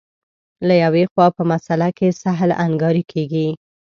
له یوې خوا په مسأله کې سهل انګاري کېږي.